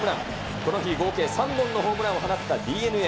この日合計３本のホームランを放ったＤｅＮＡ。